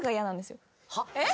えっ？